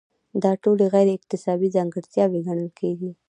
دا ټولې غیر اکتسابي ځانګړتیاوې ګڼل کیږي.